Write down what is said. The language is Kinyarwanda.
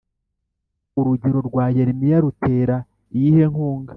Urugero rwa yeremiya rutera iyihe nkunga